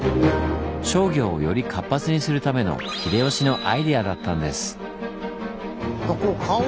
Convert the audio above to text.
商業をより活発にするための秀吉のアイデアだったんです。